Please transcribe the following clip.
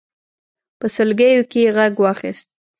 په سلګيو کې يې غږ واېست.